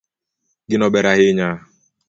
Gino ber ahinya